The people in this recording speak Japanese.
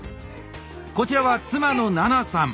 こちらは妻の奈那さん。